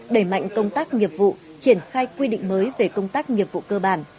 đẩy mạnh công tác nghiệp vụ triển khai quy định mới về công tác nghiệp vụ cơ bản